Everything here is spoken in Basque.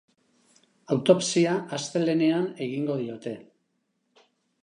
Autopsia astelehenean egingo diote.